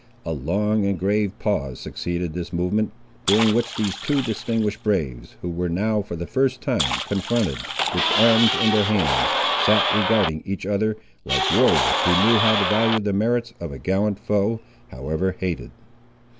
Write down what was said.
A long and grave pause succeeded this movement, during which these two distinguished braves, who were now, for the first time, confronted, with arms in their hands, sat regarding each other, like warriors who knew how to value the merits of a gallant foe, however hated.